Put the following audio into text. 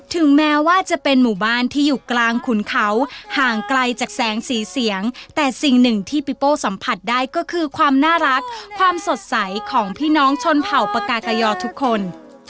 ถึงแม้ว่าจะเป็นหมู่บ้านที่อยู่กลางขุนเขาห่างไกลจากแสงสีเสียงแต่สิ่งหนึ่งที่ปิโป้สัมผัสได้ก็คือความน่ารักความสดใสของพี่น้องชนเผ่าปากากยอทุกคน